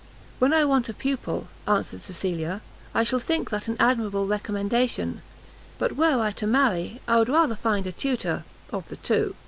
"When I want a pupil," answered Cecilia, "I shall think that an admirable recommendation; but were I to marry, I would rather find a tutor, of the two."